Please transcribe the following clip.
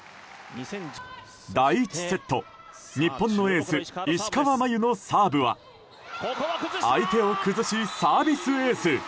第１セット、日本のエース石川真佑のサーブは相手を崩しサービスエース。